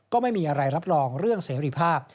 ก็ไม่มีอะไรรับรองเรื่องเสรีภาพ